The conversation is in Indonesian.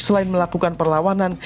selain melakukan perlawanan